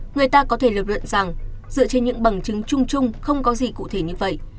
người ta có thể lập luận rằng dựa trên những bằng chứng trung trung không có gì cụ thể như vậy